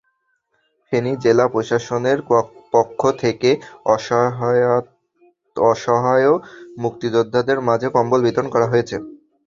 ফেনী জেলা প্রশাসনের পক্ষ থেকে অসহায় মুক্তিযোদ্ধাদের মাঝে কম্বল বিতরণ করা হয়েছে।